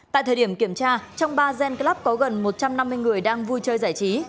tại thời điểm kiểm tra trong ba gen club có gần một trăm năm mươi người đang vui chơi giải trí